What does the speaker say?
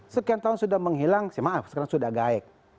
sekian tahun sudah menghilang saya maaf sekarang sudah gaik